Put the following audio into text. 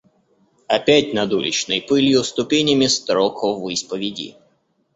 Опять над уличной пылью ступенями строк ввысь поведи!